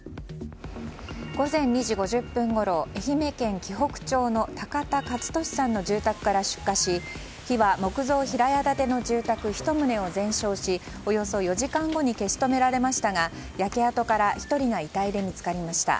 午前２時５０分ごろ愛媛県鬼北町の高田勝壽さんの住宅から出火し火は木造平屋建ての住宅１棟を全焼しおよそ４時間後に消し止められましたが焼け跡から１人が遺体で見つかりました。